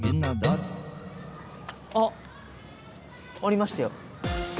あっありましたよ。